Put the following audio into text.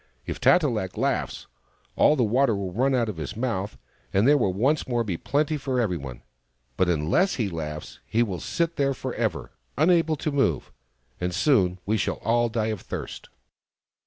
If Tat e lak laughs, all the water will run out of his mouth, and there will once more be plenty for every one. But unless he laughs he will sit there for ever, unable to move ; and soon we shall all die of thirst."